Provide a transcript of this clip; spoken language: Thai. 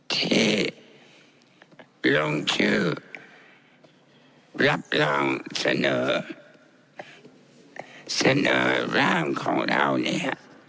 ที่ลงชื่อรับรองเสนอร่างของเราเนี่ยฮะ